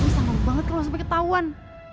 sama banget lo sampe ketauan